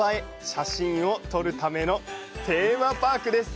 写真を撮るためのテーマパークです！